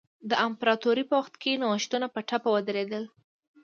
د امپراتورۍ په وخت کې نوښتونه په ټپه ودرېدل.